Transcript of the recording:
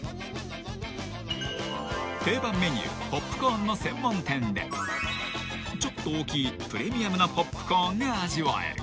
［定番メニューポップコーンの専門店でちょっと大きいプレミアムなポップコーンが味わえる］